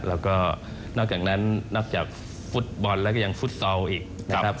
แล้วก็นอกจากนั้นนอกจากฟุตบอลแล้วก็ยังฟุตซอลอีกนะครับ